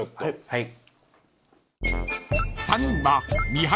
はい。